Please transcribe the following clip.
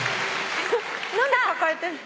何で抱えてんの？